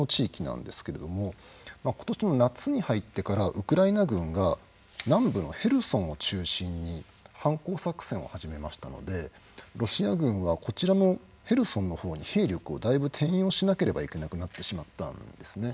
今年の夏に入ってからウクライナ軍が南部のヘルソンを中心に反攻作戦を始めましたのでロシア軍はヘルソンの方に兵力をだいぶ転用しなければいけなくなってしまったんですね。